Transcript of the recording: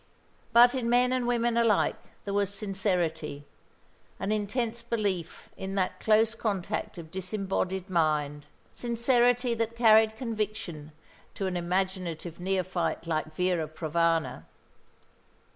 But in men and women alike there was sincerity, an intense belief in that close contact of disembodied mind, sincerity that carried conviction to an imaginative neophyte like Vera Provana.